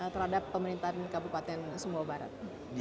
terhadap pemerintahan kabupaten sumbawa barat